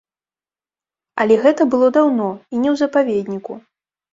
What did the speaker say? Але гэта было даўно і не ў запаведніку.